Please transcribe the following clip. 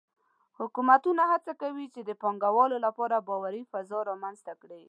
حکومتونه هڅه کوي چې د پانګهوالو لپاره باوري فضا رامنځته کړي.